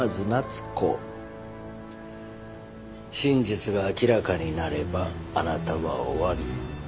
真実が明らかになればあなたは終わり